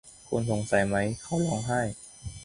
คุณสงสัยไหม ? เขาร้องไห้